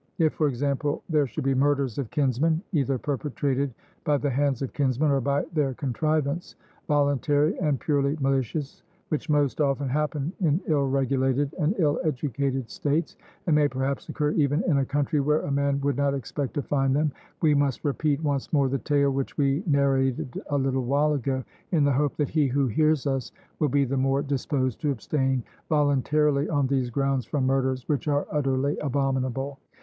If, for example, there should be murders of kinsmen, either perpetrated by the hands of kinsmen, or by their contrivance, voluntary and purely malicious, which most often happen in ill regulated and ill educated states, and may perhaps occur even in a country where a man would not expect to find them, we must repeat once more the tale which we narrated a little while ago, in the hope that he who hears us will be the more disposed to abstain voluntarily on these grounds from murders which are utterly abominable.